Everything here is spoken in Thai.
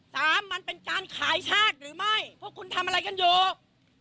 สามมันเป็นการขายชาติหรือไม่เพราะคุณทำอะไรกันอยู่